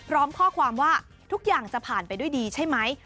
พร้อมข้อความว่าทุกอย่างจะผ่านไปด้วยดีใช่ไหม